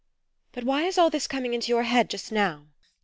But why is all this coming into your head just now?